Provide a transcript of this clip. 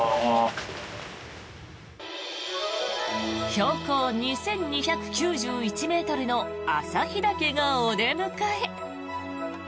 標高２２９１ｍの旭岳がお出迎え。